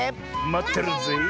まってるぜえ。